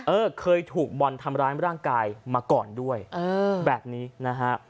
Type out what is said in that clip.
เออเคยถูกบอลทำร้ายร่างกายมาก่อนด้วยแบบนี้นะฮะ